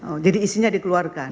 oh jadi isinya dikeluarkan